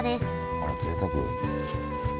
あらぜいたく。